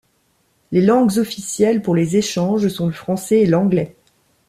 Les langues officielles pour les échanges sont le français et l'anglais.